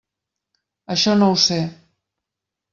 Això no ho sé.